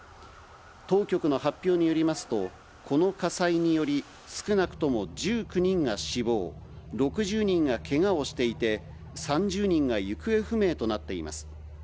当局の発表によりますと、この火災により、少なくとも１９人が死亡、６０人がけがをしていて、３０人が行方不明となっています。